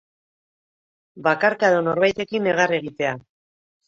Bakarka edo norbaitekin negar egitea.